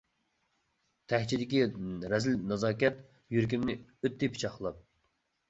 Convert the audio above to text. تەكچىدىكى رەزىل نازاكەت، يۈرىكىمنى ئۆتتى پىچاقلاپ.